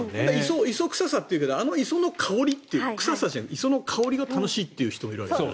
磯臭さっていうけどあの磯の香り臭さじゃなくて磯の香りが楽しいって人もいるわけだよね。